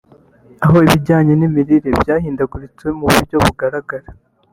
aho ibijyanye n’imirire byahindaguritse mu buryo bugaragara